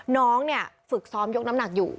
น้องเนี่ยฝึกซ้อมยกน้ำหนักอยู่